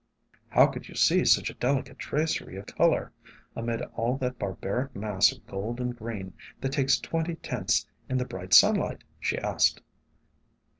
"How could you see such a delicate tracery of color amid all that barbaric mass of gold and green that takes twenty tints in the bright sunlight?" she asked.